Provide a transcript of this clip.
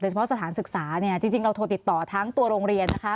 เฉพาะสถานศึกษาเนี่ยจริงเราโทรติดต่อทั้งตัวโรงเรียนนะคะ